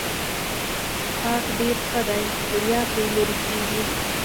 څښاک ډېر ښه دی ستړیا پرې لیرې کیږي.